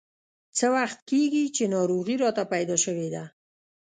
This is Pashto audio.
څه وخت کېږي چې ناروغي راته پیدا شوې ده.